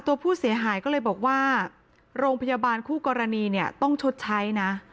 ตัวผู้เสียหายก็เลยบอกว่าโรงพยาบาลคู่กรณีเนี่ยต้องชดใช้นะ